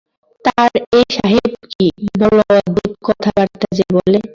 তার এই সাহেব কী-সব অদ্ভুত কথাবার্তা যে বলে!